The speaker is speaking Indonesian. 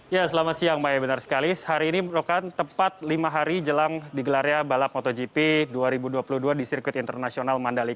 ya selamat siang mbak ya benar sekali hari ini merupakan tepat lima hari jelang digelarnya balap motogp dua ribu dua puluh dua di sirkuit internasional mandalika